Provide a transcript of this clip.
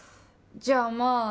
じゃあまあ